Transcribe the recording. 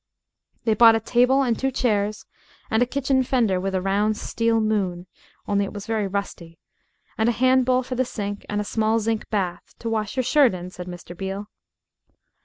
They bought a table and two chairs, and a kitchen fender with a round steel moon only it was very rusty and a hand bowl for the sink, and a small zinc bath, "to wash your shirt in," said Mr. Beale.